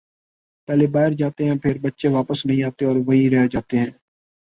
پہلے باہر جا تے ہیں پھر بچے واپس نہیں آتے اور وہیں رہ جاتے ہیں